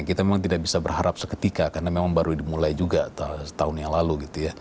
kita memang tidak bisa berharap seketika karena memang baru dimulai juga tahun yang lalu